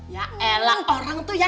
ya elang orang tuh ya